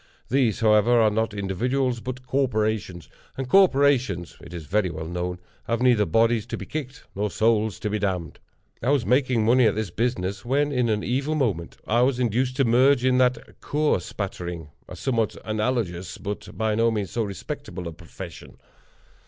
These, however, are not individuals, but corporations; and corporations, it is very well known, have neither bodies to be kicked nor souls to be damned. I was making money at this business when, in an evil moment, I was induced to merge it in the Cur Spattering—a somewhat analogous, but, by no means, so respectable a profession.